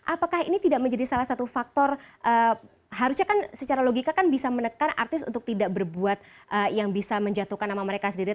apakah ini tidak menjadi salah satu faktor harusnya kan secara logika kan bisa menekan artis untuk tidak berbuat yang bisa menjatuhkan nama mereka sendiri